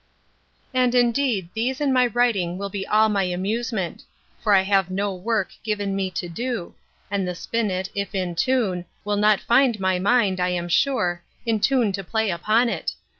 And, indeed, these and my writing will be all my amusement: for I have no work given me to do; and the spinnet, if in tune, will not find my mind, I am sure, in tune to play upon it.